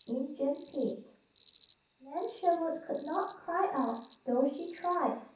"INJUN PETE" Nan Sherwood could not cry out, though she tried.